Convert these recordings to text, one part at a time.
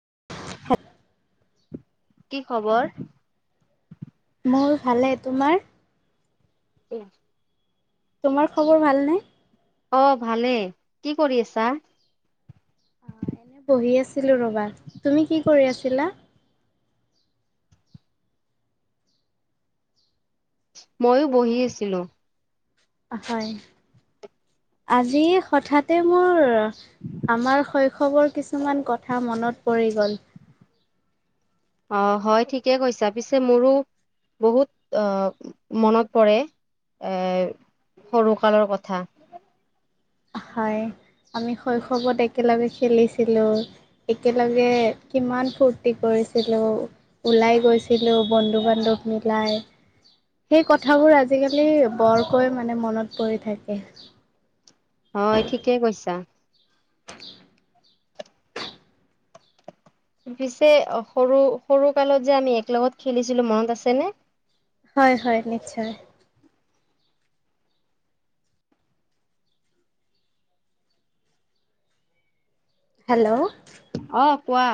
[unintelligible] কি খবৰ? মোৰ ভালে। তোমাৰ? উম। তোমাৰ খবৰ ভালনে? অঁ ভালেই। কি কৰি আছা? অ এনে বহি আছিলো ৰবা। তুমি কি কৰি আছিলা? মইয়ো বহি আছিলোঁ। হয় আজি হঠাতে মোৰ আমাৰ শৈ শৱৰ কিছুমান কথা মনত পৰি গ'ল। অঁ হয় ঠিকে কৈছা, পিছে মোৰো বহুত মনত পৰে সৰুকালৰ কথা। হয়, আমি শৈশৱত একেলগে খেলিছিলোঁ। একেলগে কিমান ফূৰ্তি কৰিছিলোঁ ওলাই গৈছিলো বন্ধু বান্ধৱ মিলাই সেই কথাবোৰ আজিকালি বৰকৈ মানে মনত পৰি থাকে। হয় ঠিকেই কৈছা। [unintelligible] পিছে সৰু সৰু, কালত যে আমি এক লগত খেলিছিলো মনত আছেনে? হয় হয় নিশ্চয়। হেল্ল'। অ কোৱা।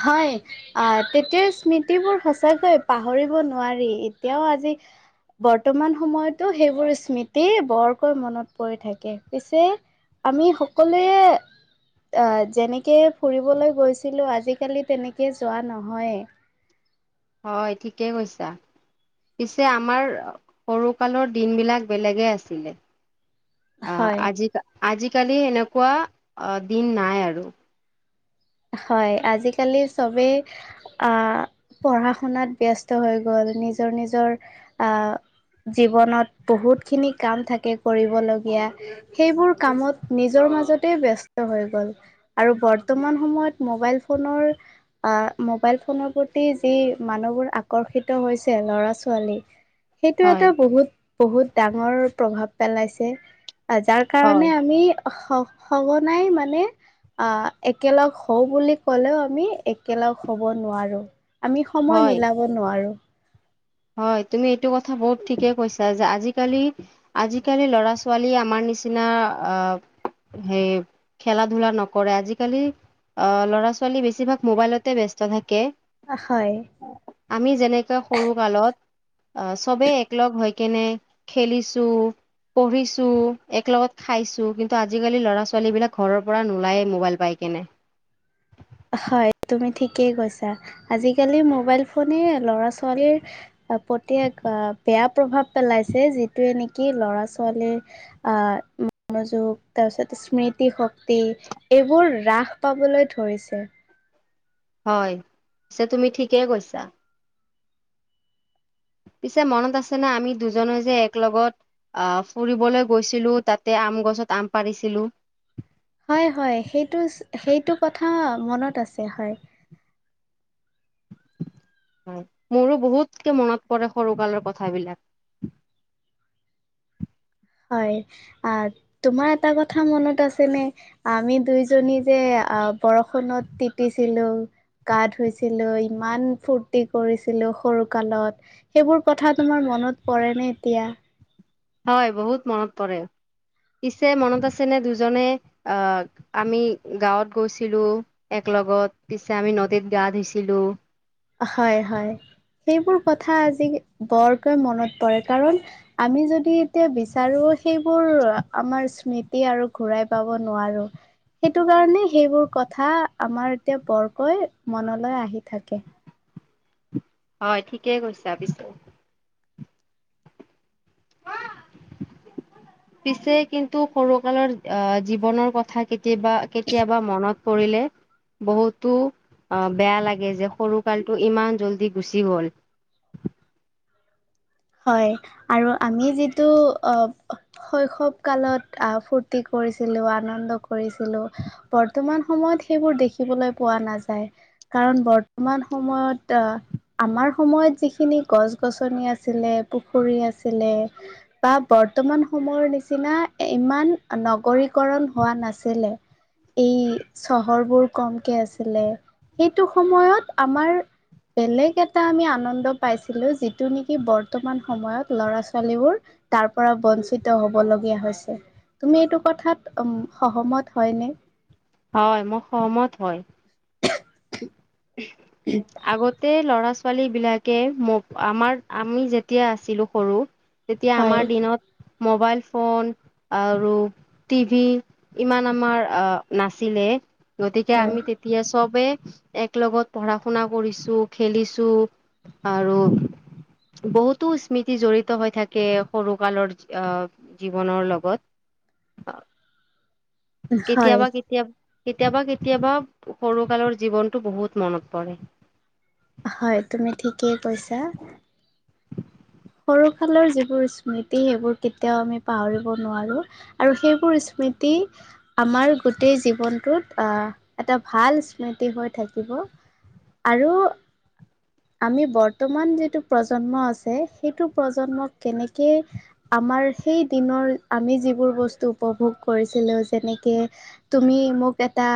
হয়, আহ তেতিয়া স্মৃতিবোৰ সঁচাকৈ পাহৰিব নোৱাৰি এতিয়াও আজি বৰ্তমান সময়তো সেইবোৰ স্মৃতি বৰকৈ মনত পৰি থাকে পিছে আমি সকলোৱে, আহ যেনেকে ফুৰিবলৈ গৈছিলো আজি আজিকালি তেনেকৈ যোৱা নহয়েই। হয় ঠিকেই কৈছা, পিছে আমাৰ সৰুকালৰ দিনবিলাক বেলেগে আছিলে। অ হয় আজি আজি। আজিকালি এনেকুৱা দিন নাই আৰু।। হয়, আজিকালি চবেই আহ পঢ়া শুনাত ব্যস্ত হৈ গ'ল, নিজৰ নিজৰ আহ জীৱনত বহুতখিনি কাম থাকে কৰিবলগীয়া সেইবোৰ কামত নিজৰ মাজতে ব্যস্ত হৈ গ'ল আৰু বৰ্তমান। সময়ত মোবাইল ফোনৰ আহ মোবাইল ফোনৰ প্ৰতি যি মানুহবোৰ আকৰ্ষিত হৈছে ল'ৰা ছোৱালী। সেইটো হয় এটা বহুত। বহুত ডাঙৰ প্ৰভাৱ পেলাইছে। যাৰ হয় কাৰণে আমি স সঘনাই মানে আহ। একেলগ হওঁ বুলি ক'লেও আমি একেলগ হ'ব নোৱাৰোঁ। আমি সময় হয় মিলাব নোৱাৰো। হয়, তুমি এইটো কথা বহুত ঠিকে কৈছা যে আজিকালি আজিকালি ল'ৰা ছোৱালী আমাৰ নিচিনা হেই খেলা ধূলা নকৰে আজিকালি ল'ৰা ছোৱালী বেছিভাগ মোবাইলতে ব্যস্ত থাকে। হয় আমি যেনেকে সৰু চবেই একলগ হৈ কেনে, খেলিছো পঢ়িছো এক লগত খাইছো কিন্তু আজিকালি ল'ৰা ছোৱালী বিলাক ঘৰৰ পৰা নোলায়ে মোবাইল পাই কেনে। হয় তুমি ঠিকেই কৈছা, আজিকালি মোবাইল ফোনে ল'ৰা ছোৱালীৰ প্ৰতিক বেয়া প্ৰভাৱ পেলাইছে যিটোয়ে নেকি কি ল'ৰা ছোৱালীৰ আহ মনোযোগ তাৰ পিছত স্মৃতি শক্তি এইবোৰ ৰাস পাবলৈ ধৰিছে। [unintelligible] হয় পিছে তুমি ঠিকেই কৈছা। পিছে মনত আছেনে আমি দুজনে যে এক লগত ফুৰিবলৈ গৈছিলোঁ তাতে আম গছত আম পাৰিছিলোঁ। হয় হয় সেইটো সেইটো কথা মনত আছে হয়। হয়, মোৰো বহুতকে মনত পৰে সৰুকালৰ কথাবিলাক। হয় আ তোমাৰ এটা কথা মনত আছে নে? আমি দুইজনী যে, আহ বৰষুণত তিতিছিলো গা ধুইছিলো ইমান ফুৰ্তি কৰিছিলো সৰু কালত সেইবোৰ কথা তোমাৰ মনত পৰে নে এতিয়া। হয়, বহুত মনত পৰে পিছে মনত আছেনে দুজনে আহ আমি গাঁৱত গৈছিলো এক লগত পিছে আমি নদীত গা ধুইছিলো। হয় হয়, সেইবোৰ কথা আজি বৰকৈ মনত পৰে কাৰণ আমি যদি এতিয়া বিচাৰো। সেইবোৰ আমাৰ স্মৃতি। আৰু ঘূৰাই পাব নোৱাৰো, সেইটো কাৰণে সেইবোৰ কথা আমাৰ এতিয়া বৰকৈ মনলৈ আহি থাকে। হয় ঠিকেই কৈছ পিছে। পিছে কিন্তু সৰুকালৰ আহ জীৱনৰ কথা কেতি কেতিয়াবা কেতিয়াবা মনত কৰিলে, বহুতো অ বেয়া লাগে যে সৰুকালটো ইমান জল্দি গুচি গ'ল। হয় আৰু আমি যিটো আহ, শৈশৱ কালত আহ ফূৰ্তি কৰিছিলো, আনন্দ কৰিছিলো বৰ্তমান সময়ত সেইবোৰ দেখিবলৈ পোৱা নাযায় কাৰণ বৰ্তমান সময়ত আহ আমাৰ সময়ত যিখিনি গছ গছনি আছ ছিলে, পুখুৰী আছিলে বা বৰ্তমান সময়ৰ নিচিনা ইমান নগৰীকৰণ হোৱা নাছিলে, এই চহৰবোৰ কমকে আছিলে, সেইটো সময়ত আমাৰ বেলেগ এটা আমি আনন্দ পাইছিলো যিটো কি বৰ্তমান সময়ত ল'ৰা -ছোৱালীবোৰ তাৰ পৰা বঞ্চিত হ'ব লগীয়া হৈছে। তুমি এইটো কথাত উম সহ হয় মই সহমত হয়। [inaudible] আগতে লৰা ছ ছোৱালী বিলাকে মো আমাৰ আমি যেতিয়া আছিলো সৰু তেতিয়া হয় আমাৰ দিনত মোবাইল ফোন আৰু টিভি ইমান আমাৰ আ নাছিলে। গতিকে হয় আমি তেতিয়া চবে এক লগত পঢ়া শুনা কৰিছো, খেলিছো আৰু বহুতো স্মৃতি জড়িত হৈ থাকে সৰু কালৰ আহ জীৱনৰ লগত আহ। হয় কেতিয়াবা কেতিয়া কেতিয়াবা কেতিয়াবা সৰুকালৰ জীৱনটো বহুত মনত পৰে। হয় তুমি ঠিকেই কৈছা। সৰু ফালৰ যিবোৰ স্মৃতি সেইবোৰ কেতিয়াও আমি পাহৰিব নোৱাৰোঁ আৰু সেইবোৰ স্মৃতি আমাৰ গোটেই জীৱনটোত এটা ভাল স্মৃতি হৈ থাকিব আৰু আমি বৰ্তমান যিটো প্ৰজন্ম আছে সেইটো প্ৰজন্মক কেনেকেই আমাৰ সেই দিনৰ আমি যিবোৰ বস্তু উপভোগ কৰিছিলো, যেনেকে তুমি মোক এটা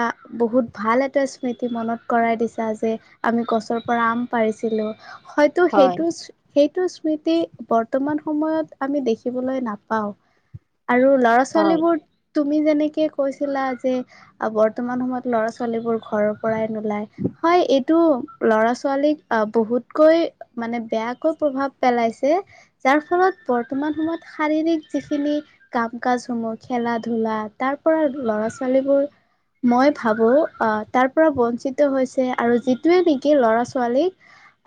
বহুত ভাল এটা স্মৃতি মনত কৰাই দিছা যে আমি গছৰ পৰা আম পাৰিছিলো হয়তো হয় সেইটো সেই তুচ স্মৃতি বৰ্তমান সময়ত আমি দেখিবলৈ নাপাওঁ। আৰু ল'ৰা হয় ছোৱালীবোৰ তুমি যেনেকে কৈছিলা যে বৰ্তমান সময়ত ল'ৰা- ছোৱালীবোৰ ঘৰৰ পৰাই নোলায় হয় এইটো ল'ৰা ছোৱালীক বহুতকৈ মানে বেয়াকৈ প্ৰভাৱ পেলাইছে, যাৰ ফলত বৰ্তমান সময়ত শাৰীৰিক যিখিনি কাম কাজসমূহ খেলা ধূলা তাৰ পৰা ল'ৰা- ছোৱালীবোৰ মই ভাবো আহ তাৰ পৰা বঞ্চিত হৈছে আৰু যিটোৱে নেকি ল'ৰা -ছোৱালীক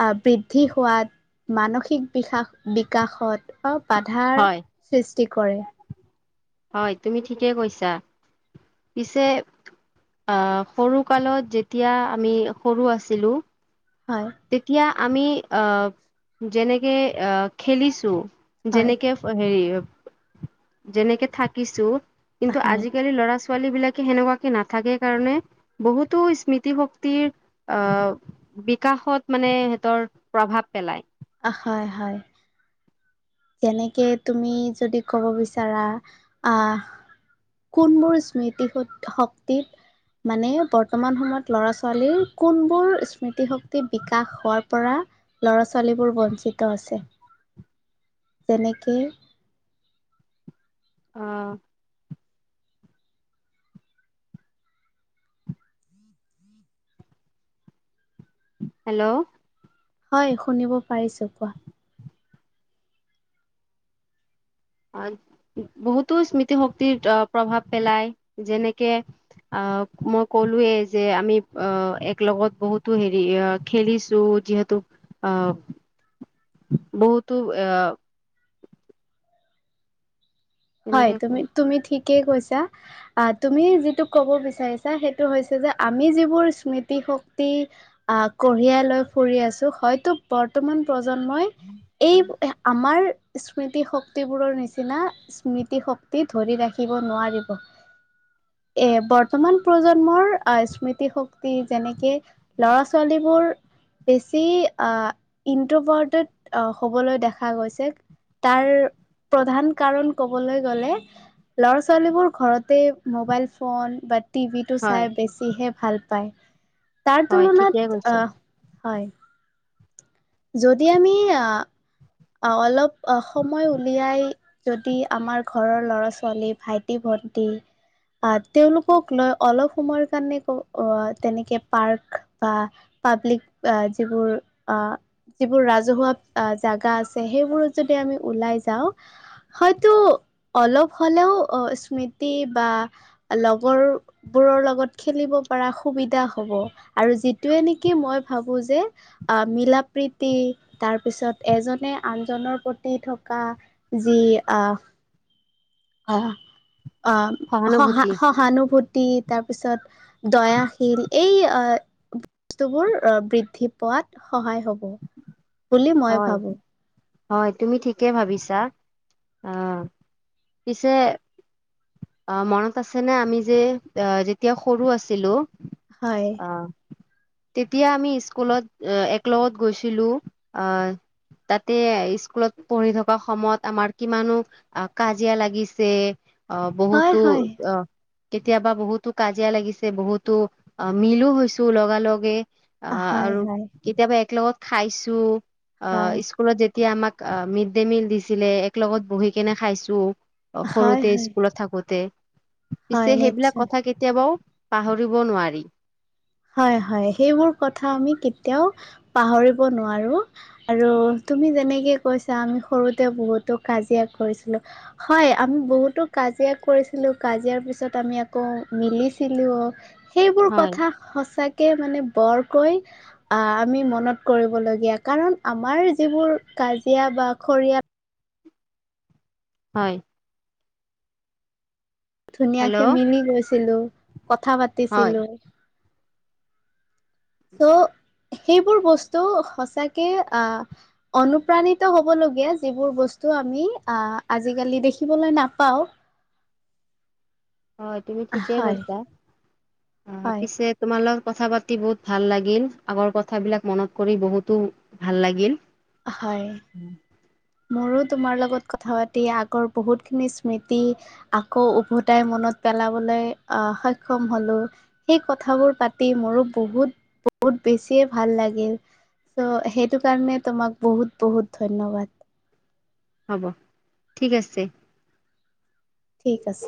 আহ বৃদ্ধি হোৱাত মানসিক বিকাশ বিকাশত বাধাৰ হয় সৃষ্টি কৰে। হয় তুমি ঠিকে কৈছা, পিছে আহ সৰু কালত যেতিয়া আমি সৰু আছিলো হয় তেতিয়া আমি আ যেনেকে আ খেলিছোঁ হয় যেনেকে হেৰি যেনেকে থাকিছো কিন্তু হয় আজিকালি ল'ৰা ছো ছোৱালী বিলাকে সেনেকুৱাকে নাথাকে কাৰণে বহুতো স্মৃতি শক্তিৰ আ ব্ৰি বিকাশত মানে সিহঁতৰ প্ৰভাৱ পেলায়। হয় হয়। যেনেকে তুমি যদি ক'ব বিচাৰা, আহ কোনবোৰ স্মৃতি শক্তিত মানে বৰ্তমান সময়ত ল'ৰা -ছোৱালীৰ কোনবোৰ স্মৃতিশক্তি বিকাশ হোৱাৰ পৰা ল'ৰা -ছোৱালীবোৰ বঞ্চিত আছে? তেনেকে। অহ। হেল্ল'। হয় শুনিব পাৰিছোঁ কোৱা? আহ বহুতো স্মৃতিশক্তিৰ অ প্ৰভাৱ পেলাই, যেনেকে আহ মই কলোৱে যে আমি, আহ এক লগত বহুতো হেৰি আহ খেলিছো যিহেতু আহ বহুতো আ। হয়, কেনেকে ক তুমি তুমি ঠিকেই কৈছা। আহ, তুমি যিটো ক'ব বিচাৰিছা সেইটো হৈছে যে আমি যিবোৰ স্মৃতি শক্তি আহ কঢ়িয়াই লৈ ফুৰি আছো হয়তো বৰ্তমান প্ৰ। জন্মই এই আমাৰ। স্মৃতি শক্তিবোৰৰ নিচিনা। স্মৃতি শক্তি ধৰি ৰাখিব নোৱাৰিব। এ বৰ্তমান প্ৰজন্মৰ আহ স্মৃতিশক্তি যেনে। কে ল'ৰা ছোৱালীবোৰ। বেছি ইনটভাৰটেড হ'বলৈ দেখা গৈছে, তাৰ প্ৰধান কাৰণ। কবলৈ গলে ল'ৰা ছোৱালীবোৰ ঘৰতে মোবাইল ফোন বা। টিভিটো হয় চাই বেছিহে ভাল। পায়। তাৰ হয় ঠিকে তুলনাত কৈছা আহ। হয়। যদি আমি আহ। অলপ সময় উলিয়াই যদি আমাৰ ঘৰৰ লৰা ছোৱালী ভাইটি ভন্টি আহ তেওঁলোকক লৈ অলপ সময়ৰ কাৰণে ক তেনেকে পাৰ্ক বা পাব্লিক যিবোৰ আহ যিবোৰ ৰাজহুৱা আ জাগা আছে। সেইবোৰত যাতে আমি ওলাই যাওঁ, হয়তো অলপ হ'লেও স্মৃতি বা লগৰ বোৰৰ লগত খেলিব পাৰা সুবিধা হ'ব, আৰু যিটোয়ে নেকি মই ভাবো যে মিলাপ্ৰীতি তাৰপিছত এজনে। আনজনৰ প্ৰতি থকা যি আহ অহ। অ সহা সহানুভূতি সহানুভূত। তাৰ পিছত দয়াশিল, এই বস্তুবোৰ বৃদ্ধি পোৱাত সহায় হ'ব। বুলি মই হয় ভাবো। হয় তুমি ঠিকে ভাবিছা, আহ পিছে। অ মনত আছেনে? আমি যে আহ যেতিয়া সৰু আছিলো। হয়। আহ তেতিয়া আমি স্কুলত একলগত গৈছিলো, আহ তাতে স্কুলত পঢ়ি থকা সময়ত আমাৰ কিমানো কাজিয়া লাগিছে। অ হয় বহুতো হয় অ। কেতিয়াবা বহুতো কাজিয়া লাগিছে বহুতো অ মিলো হৈছো লগা লগে। অ হয় আৰু হয় কেতিয়াবা। লগত খাইছো। অ হয় স্কুলত যে। এতিয়া আমাক মিড ডে মিল দিছিলে, এক লগত বহি কেনে খাইছো। হয় হয়। থাকোঁতে। পিছে হয় সেইবিলাক নিশ্চয় কথা কেতিয়াবাও। পাহৰিব নোৱাৰি হয় হয় সেইবোৰ কথা আমি কেতিয়াও পাহৰিব নোৱাৰো আৰু তুমি যেনেকে কৈছা আমি সৰুতে বহুতো কাজিয়া কৰিছিলো হয় আমি বহুতো কাজিয়া কৰিছিলো কাজিয়াৰ পিছত আমি আকৌ মিলিছিলো। সেইবোৰ হয় কথা সঁচাকে মানে বৰকৈ আহ আমি মনত কৰিবলগীয়া কাৰণ আমাৰ যিবোৰ কাজিয়া বা খৰিয়াল হয় হেল্ল' ধুনীয়াকে মিলি গৈছিলো। কথা হয় পাতিছিলো। চ' সেইবোৰ বস্তু সচাকে আহ অনুপ্ৰাণিত হবলগীয়া যিবোৰ বস্তু আমি আহ আজিকালি দেখিবলৈ নাপাও হয় তুমি ঠিকে কৈছা অ হয়, পিছে তোমালোক কথা পাতি বহুত ভাল লাগিল আগৰ কথাবিলাক মনত কৰি বহুতো ভাল লাগি হয় মোৰোত তোমাৰ লগত কথা পাতি আগৰ বহুতখিনি স্মৃতি আকৌ উভতাই মনত পেলাবলৈ সক্ষম হ'লোঁ। সেই কথাবোৰ পাতি মোৰো বহুত বহুত বেছিয়ে ভাল লাগিল। চ' সেইটো কাৰণে তোমাক। বহুত বহুত ধন্যবাদ। হ'ব ঠিক আছে। ঠিক আছে।